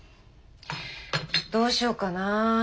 どうしようかな？